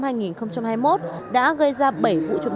đã gây ra bảy vụ trộm cắp tài sản